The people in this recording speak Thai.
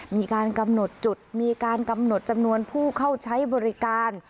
มีการกำหนดจุดมีการกำหนดจำนวนผู้เข้าใช้บริการ